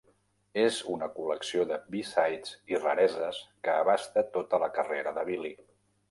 És una col·lecció de B-sides i rareses que abasta tota la carrera de Billy.